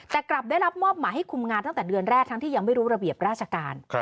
แต่กลับได้รับมอบหมายให้คุมงานตั้งแต่เดือนแรกทั้งที่ยังไม่รู้ระเบียบราชการ